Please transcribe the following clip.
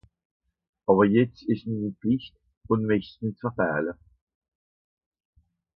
Àwwer jetzt ìsch's mini Pflìcht ùn mächt's nìtt verfähle.